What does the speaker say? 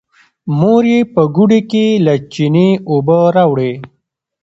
مور يې په ګوډي کې له چينې اوبه راوړې.